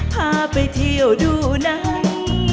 พาไปเที่ยวดูหนัง